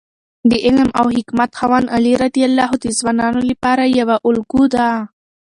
د علم او حکمت خاوند علي رض د ځوانانو لپاره یوه الګو ده.